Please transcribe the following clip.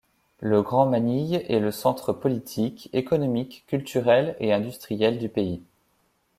Le Grand Manille est le centre politique, économique, culturel et industriel du pays.